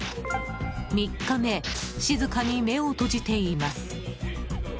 ２日目静かに目を閉じています。